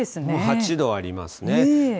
もう８度ありますね。